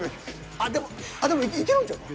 あっでもいけるんちゃうか？